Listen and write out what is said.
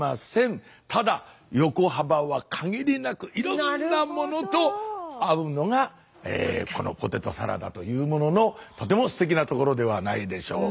ただ横幅は限りなくいろんなものと合うのがこのポテトサラダというもののとてもすてきなところではないでしょうか。